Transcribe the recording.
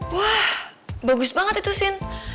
wah bagus banget itu scene